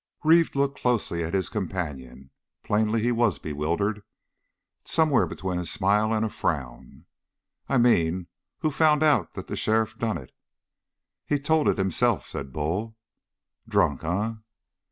Pete Reeve looked closely at his companion. Plainly he was bewildered, somewhere between a smile and a frown. "I mean who found out that the sheriff done it?" "He told it himself," said Bull. "Drunk, en?"